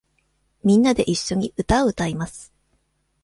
みんなでいっしょに歌を歌います。